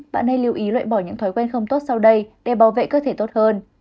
bạn nên lưu ý loại bỏ những thói quen không tốt sau đây để bảo vệ cơ thể tốt hơn